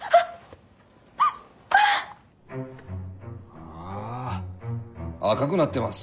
あ赤くなってます。